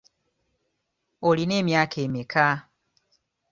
Olina emyaka emeka?